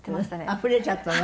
あふれちゃったの？